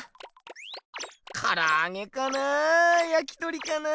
からあげかなやき鳥かなあぁ。